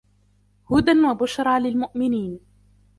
هدى وبشرى للمؤمنين